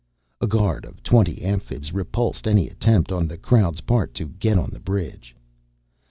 A guard of twenty Amphibs repulsed any attempt on the crowd's part to get on the bridge.